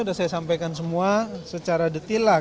sudah saya sampaikan semua secara detil lah